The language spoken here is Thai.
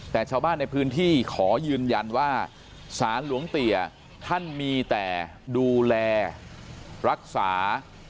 แต่ชาวบ้านในพื้นที่ขอยืนยันว่าศาลหลวงเตี๋ยท่านมีแต่ดูแลรักษา